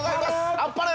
あっぱれ！